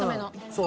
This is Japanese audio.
そう。